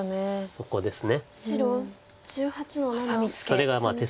そうですね。